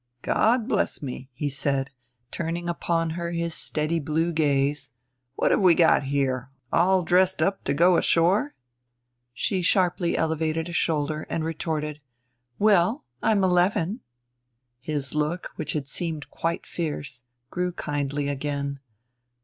"God bless me," he said, turning upon her his steady blue gaze; "what have we got here, all dressed up to go ashore?" She sharply elevated a shoulder and retorted, "Well, I'm eleven." His look, which had seemed quite fierce, grew kindly again.